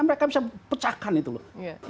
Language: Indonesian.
mereka bisa pecahkan itu loh